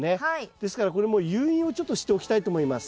ですからこれも誘引をちょっとしておきたいと思います。